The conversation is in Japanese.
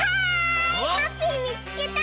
ハッピーみつけた！